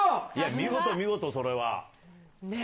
見事、見事、それは。ねぇ。